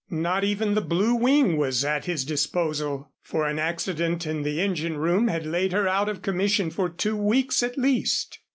Not even the Blue Wing was at his disposal, for an accident in the engine room had laid her out of commission for two weeks at least.